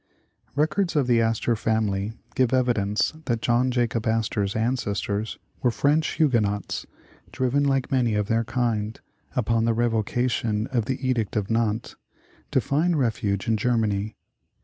Records of the Astor family give evidence that John Jacob Astor 's ancestors were French Huguenots, driv en like many of their kind, upon the revocation of the Edict of Nantes, to find refuge in Germany.